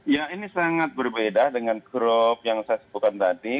ya ini sangat berbeda dengan grup yang saya sebutkan tadi